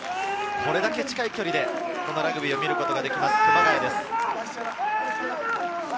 これだけ近い距離でラグビーを見ることができます、熊谷です。